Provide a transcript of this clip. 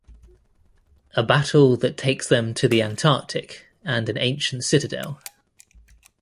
A battle that takes them to the Antarctic and an ancient citadel.